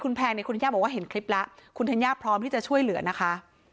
ขอบอลทีมเมียหลวงด้วยนะคะช่วยดิฉันด้วยค่ะ